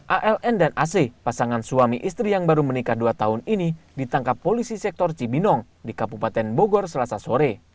aln dan ac pasangan suami istri yang baru menikah dua tahun ini ditangkap polisi sektor cibinong di kabupaten bogor selasa sore